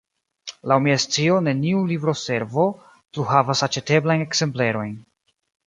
Laŭ mia scio neniu libroservo plu havas aĉeteblajn ekzemplerojn.